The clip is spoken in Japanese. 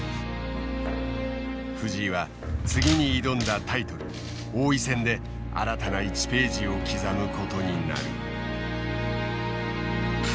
藤井は次に挑んだタイトル王位戦で新たな１ページを刻むことになる。